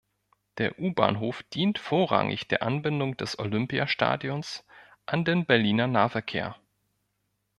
Der U-Bahnhof dient vorrangig der Anbindung des Olympiastadions an den Berliner Nahverkehr.